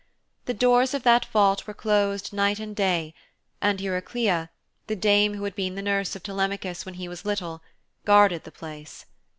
The doors of that vault were closed night and day and Eurycleia, the dame who had been the nurse of Telemachus when he was little, guarded the place.